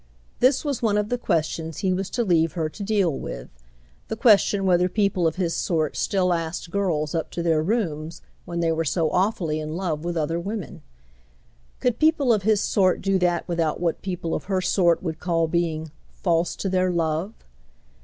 This was one of the questions he was to leave her to deal with—the question whether people of his sort still asked girls up to their rooms when they were so awfully in love with other women. Could people of his sort do that without what people of her sort would call being "false to their love"?